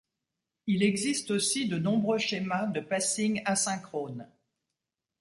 Il existe aussi de nombreux schémas de passing asynchrones.